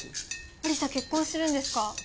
亜里沙結婚するんですか？